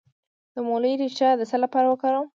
د مولی ریښه د څه لپاره وکاروم؟